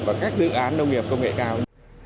và các dự án nông nghiệp công nghệ cao